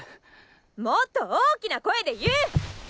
もっと大きな声で言う！